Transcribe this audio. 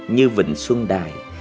như vịnh xuân đài